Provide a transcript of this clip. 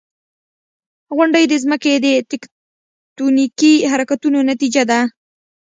• غونډۍ د ځمکې د تکتونیکي حرکتونو نتیجه ده.